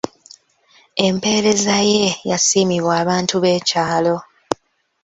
Empeereza ye yasiimibwa abantu b'ekyalo.